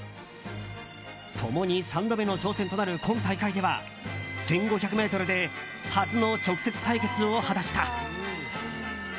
共に３度目の挑戦となる今大会では１５００ｍで初の直接対決を果たした。